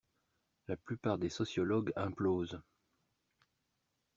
La plupart des sociologues implosent.